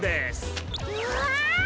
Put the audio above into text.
うわ！